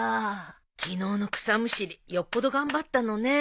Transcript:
昨日の草むしりよっぽど頑張ったのねえ。